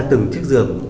từng chiếc giường